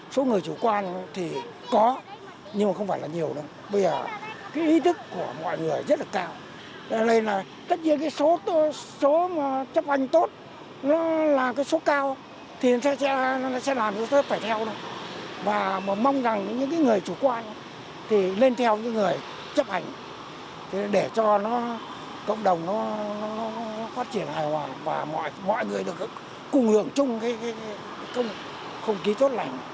để cho cộng đồng phát triển hài hòa và mọi người được cung hưởng chung công ký tốt lành